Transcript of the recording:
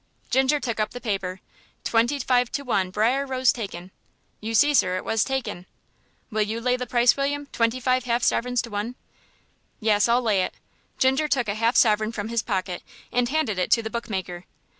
Ginger took up the paper. "Twenty five to one Briar Rose taken." "You see, sir, it was taken." "Will you lay the price, William twenty five half sovereigns to one?" "Yes, I'll lay it." Ginger took a half sovereign from his pocket and handed it to the bookmaker.